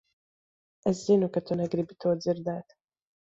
Es zinu, ka tu negribi to dzirdēt.